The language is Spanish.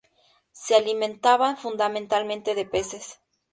Se alimentaban fundamentalmente de peces.